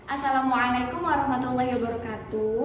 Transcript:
assalamualaikum warahmatullahi wabarakatuh